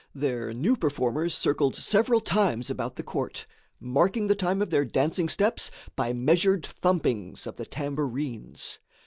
There new performers circled several times about the court, marking the time of their dancing steps by measured thumpings of the tambourines.